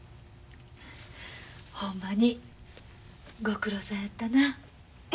ほんまにご苦労さんやったな。